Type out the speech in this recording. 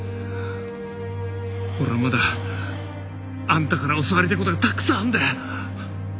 俺はまだあんたから教わりたい事がたくさんあるんだよ。